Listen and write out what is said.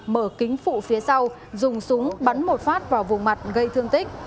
mở kính phụ phía sau dùng súng bắn một phát vào vùng mặt gây thương tích